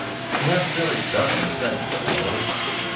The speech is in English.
He hadn't really done anything, you know.